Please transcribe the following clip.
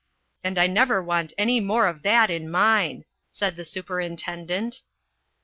"And I never want any more of that in mine," said the superintendent.